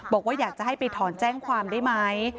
บอกว่าอยากจะให้ไปถอนแจ้งความได้ไหม